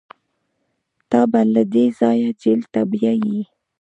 تا به له دې ځايه جېل ته بيايي.